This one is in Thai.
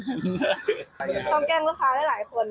ต้องแก้มลูกค้าได้หลายคน